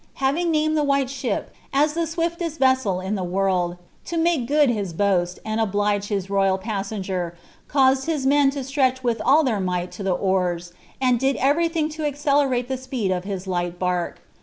hkviDg named the white ship as the swiftest vessel in the world, alee ;^od his bottst, and oblige his royal passenger, caused his niea Bsireich wiih all their might to the oars, and did everything to accele T the speed of Ub light bark.